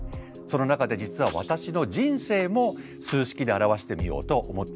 その中で実は私の人生も数式で表してみようと思っています。